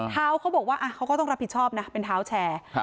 เขาบอกว่าเขาก็ต้องรับผิดชอบนะเป็นเท้าแชร์